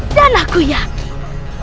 dan aku yakin